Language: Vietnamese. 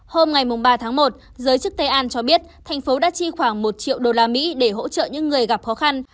hôm ngày ba tháng một giới chức tây an cho biết thành phố đã chi khoảng một triệu đô la mỹ để hỗ trợ những người gặp khó khăn